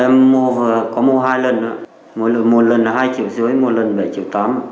em có mua hai lần nữa một lần hai triệu dưới một lần bảy triệu tám